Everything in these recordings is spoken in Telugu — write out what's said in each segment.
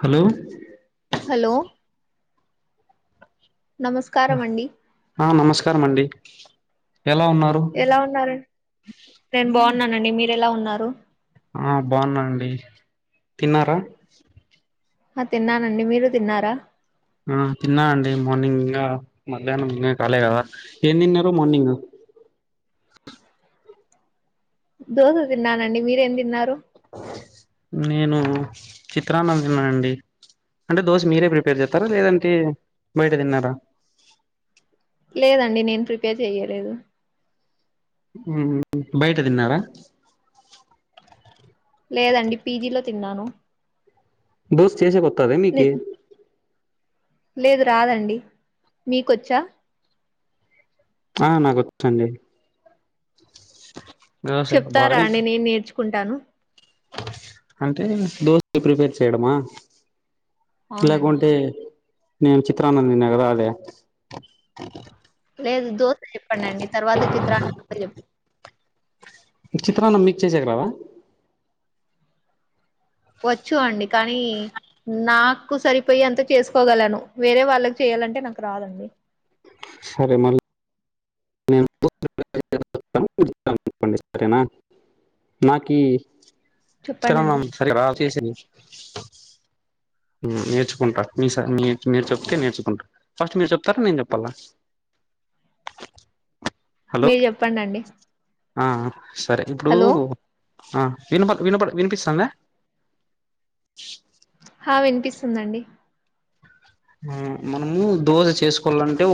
హలో హలో నమస్కారం అండి ఆ నమస్కారం అండి ఎలా ఉన్నారు ఎలా ఉన్నారు నేను బాగున్నానండి మీరు ఎలా ఉన్నారు ఆ బాగున్నాండి తిన్నారా ఆ తిన్నానండి మీరు తిన్నారా ఆ తిన్నాండి మార్నింగ్ ఇంకా మధ్యాహ్నం ఇంకా కాలే కదా ఏం తిన్నారు మార్నింగ్ దోశ తిన్నానండి మీరేం తిన్నారు నేను చిత్రాన తిన్నా అండి అంటే దోశ మీరే ప్రిపేర్ చేస్తారా లేదంటే బయట తిన్నారా లేదండి నేను ప్రిపేర్ చెయ్యలేదు ఊ బయట తిన్నారా లేదండి పీజీలో తిన్నాను దోశ చేసే కొతదే మీకు లేదు రాదండి మీకొచ్చా ఆ నాకొచ్చండి చెప్తారా బాగానే అండి నేను నేర్చుకుంటాను అంటే దోశని ప్రిపేర్ చేయడమా అవునండి లేకుంటే నేను చిత్రానం తిన్న కదా అదా లేదు దోశ చెప్పండి అండి తర్వాత చిత్రా గురించి చెప్ చిత్రాన్న మిక్ చేసేకి రాద వచ్చు అండి కానీ నాకు సరిపోయి అంత చేసుకోగలను వేరే వాళ్ళకి చేయ లంటే నాకు రాదండి సరే మళ్ళీ మేము చెప్పండి సరేనా నాకి చెప్పండి అండి త్రాన్నం సరిగా రాదు చేసేకి ఊ నేర్చుకుంటా మీ స మీరు చెప్తే నేర్చుకుంటా ఫస్ట్ మీరు చెప్తారా నేను చెప్పాలా [unintelligible] హలో మీరు చెప్పండి అండి ఆ సరే ఇప్పుడు హలో ఆ వినపడ వినపడ వినిపిస్తాంద ఆ వినిపిస్తుందండి ఆ మనము దోశ చేసుకోవాలంటే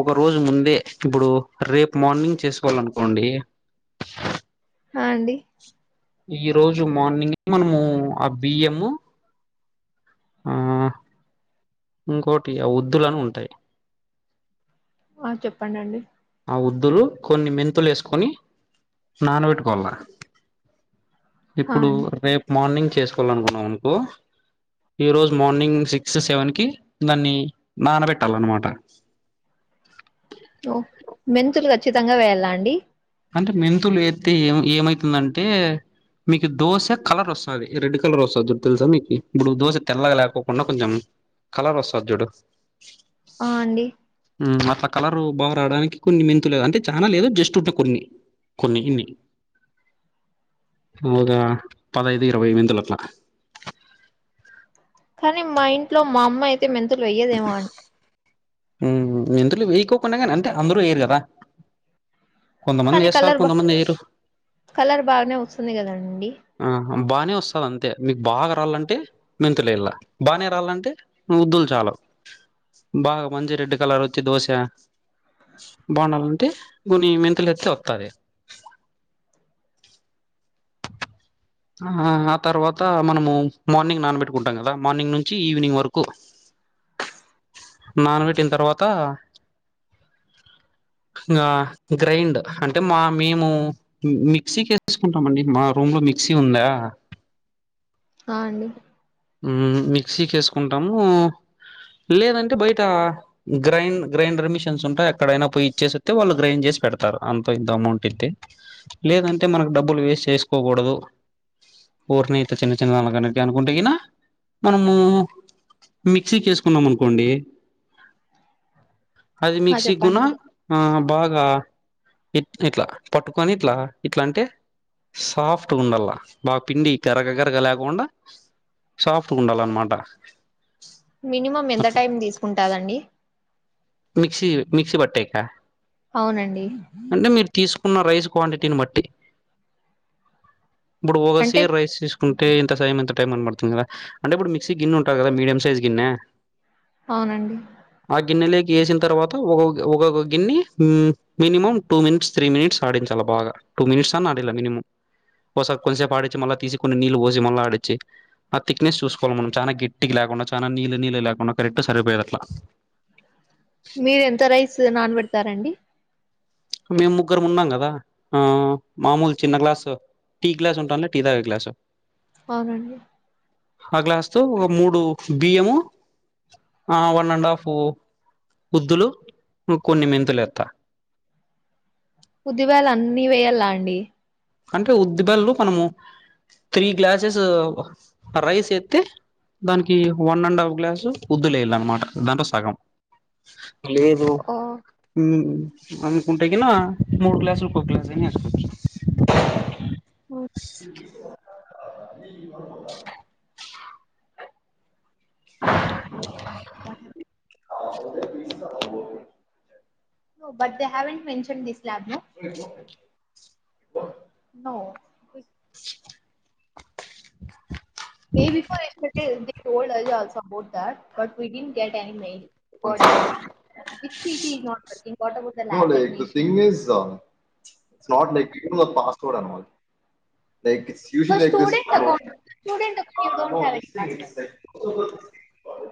ఒక రోజు ముందే ఇప్పుడు రేపు మార్ని రన్నింగ్ చేసుకోవాలనుకోండి ఆ అండి ఈ రోజు మార్నింగ్ ఏ మనము ఆ బియ్యము ఆ ఇంకోటి ఆ వద్దులని ఉంటాయి ఆ చెప్పండి అండి ఆ ఒద్దులు కొన్ని మెంతులు వేసుకొని నానబెట్టుకోవాల హా ఇప్పుడు అండి రేపు మార్నింగ్ చేసుకోవాల అనుకున్నాం అనుకో ఈ రోజు మార్నింగ్ సిక్స్ సెవెన్ కి దాన్ని నానబెట్టాలన్నమాట [inaudible] ఓ మెంతులు ఖచ్చితంగా వేయాల అండి అంటే మెంతులు ఏత్తే ఏ ఏమైతుందంటే మీకు దోశ కలర్ వస్తుంది. అది రెడ్ కలర్ వస్తుంది. తెలుసా మీకు ఇప్పుడు దోశ తెల్లగా లేకుండా కొంచెం. కలర్ వస్తాది చూడు. అ అండి మ్మ్ అట్లా కలర్ బాగా రావడానికి కొన్ని మెంతు లేదు అంటే చాలా లేదు జస్ట్ కొన్ని కొన్ని ఇన్ని మెంతులు పదైదు ఇరవై వందల లా కానీ మా ఇంట్లో మా అమ్మ అయితే మెంతులు వెయ్యేదేమో అని. ఇంతలో వేయికోకుండా కానీ అంటే అందరూ వేయరు కదా. కొంతమంది కానీ వేస్తారు కలర్ బా కొంతమంది వేయరు. కలర్ బాగానే వస్తుంది కదండి ఆ బానే వస్తాది. అంతే మీకు బాగా రాళ్ళంటే మెంతులు వెయ్యాల బానే రాళ్లంటే ముద్దులు చాలు బాగా మంచి రెడ్ కలర్ వచ్చి దోశ. బాగుండాలంటే కొన్ని మెంతులు ఎత్తే వస్తాది. ఆ తర్వాత మనము మార్నింగ్ నానబెట్టుకుంటాం కదా మార్నింగ్ నుంచి ఈవినింగ్ వరకు. నానపెట్టిన తర్వాత గ్రైండ్ర్ అంటే మా మేము మిక్సీకి వేసుకుంటాం అండి. మా రూమ్ లో మిక్సీ మిక్సీ ఉందా? ఆ అండి. మిక్సీకి వేసుకుంటాము. లేదంటే బయట గ్రైండర్ మిషన్స్ ఉంటా ఎక్కడైనా పోయి ఇచ్చేసి వస్తే వాళ్ళు గ్రైండ్ చేసి. పెడతారు. అంత ఇంత అమౌంట్ ఇంత లేదంటే మనకు డబ్బులు వేస్ట్ చేసుకోకూడదు. ఊరిని ఇట్లా చిన్న చిన్నదే అనుకుంటే కు మనము మిక్సీకిసుకున్నాం అనుకోండి. అది ఆ మిక్సీ గుణ చెప్పండి ఆ బాగా ఇలా ఇట్లా పట్టుకని ఇట్లా ఇట్లా అంటే సాఫ్ట్ సాఫ్ట్గా ఉండాల బాగా పిండి కరగగరగా లేకుండా సాఫ్ట్గా ఉండాల అన్నమాట. మినిమం ఎంత టైం తీసుకుంటాదండి. మిక్సీ పట్టేకా అవునండి. ఉన్న రైస్ క్వాంటిటీని బట్టి, ఇప్పుడు అంటే ఒకసేర్ రైస్ తీసుకుంటే. అంటే ఇంత సైజ్ ఎంత టైమ్ పడుతుందా. అంటేప్పుడు మిక్సీ గిన్నె ఉంటాది కదా మీడియం సైజ్ గిన్నె అవునండి ఆ గిన్నెలోకి వేసిన తర్వాత ఒకొక్క గిన్నె minimum two minutes three minutes ఆడించాల బాగా టూ మినిట్స్అడిలే మినిమమ్. ఒకసారి కొంతసేపు ఆడించి, మళ్ళీ తీసికుని నీళ్ళు పోసి మళ్ళీ ఆడిచ్చి ఆ థిక్నెస్ చూసుకోవాలి మనం చా గట్టిగా లేకుండా చానా నీళ్ళు నీళ్ళు లేకుండా కరెక్ట్ సరిపోయేట్లా. మీరు ఎంత రైస్ నానబెడతారండి. మేము ముగ్గురు ఉన్నాం కదా ఆ మామూలు చిన్న గ్లాసు టీ గ్లాస్ ఉంటాండ్లే టీ తాగే గ్లాస్ అవునండి ఆ గ్లాస్ తో ఒక మూడు బియ్యము. ఆ వన్ అండ్ హాఫ్ ఉద్దులు కొన్ని మెంతులు వేస్తా. ఉద్దిబేల్ల అన్ని వేయ్యాల అండి అంటే ఉద్దిబాల్లు మనము త్రీ గ్లాసెస్ రైస్ వేస్తే దానికి వన్ అండ్ హాఫ్ గ్లాసు ఉద్దులేయాల అన్నమాట దాంట్లో సగం లేదు ఓ ఉమ్మ్ అనుకుంటే గినా మూడు గ్లాసులకి ఒక గ్లాసు అయినా ఎసుకోవచ్చు ఓ but they haven't mention this lab no no day before yesterday also support thought but we didn't get any mail which PC is not working what about the language it's not like a password like CV what happened student [unintelligible]